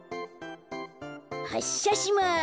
はっしゃします。